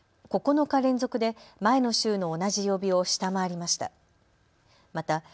９日連続で前の週の同じ曜日を下回りました。